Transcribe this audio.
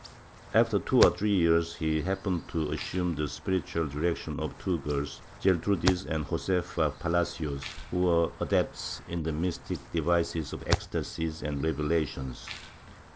After two or three years he happened to assume the spiritual direction of two girls, Gertrudis and Josefa Palacios, who were adepts in the mystic devices of ecstasies and revelations.